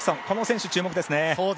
この選手、注目ですね。